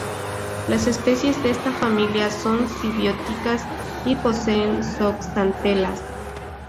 Las especies de esta familia son simbióticas y poseen zooxantelas.